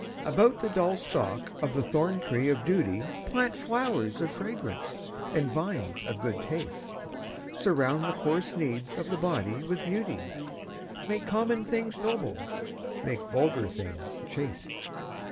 About the dull stalk of the thorntree of duty Plant flowers of fragrance and vines of good taste. Surround the coarse needs of the body with beauty, Make common things noble, make vulgar things chaste.